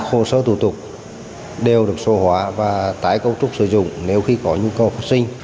hồ sơ thủ tục đều được số hóa và tái cấu trúc sử dụng nếu khi có nhu cầu phát sinh